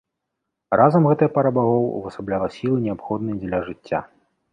Разам гэтая пара багоў увасабляла сілы, неабходныя дзеля жыцця.